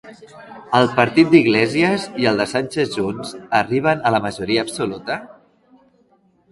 El partit d'Iglesias i el de Sánchez junts arriben a la majoria absoluta?